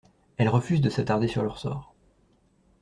Elle refuse de s’attarder sur leur sort.